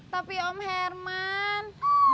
tapi om herman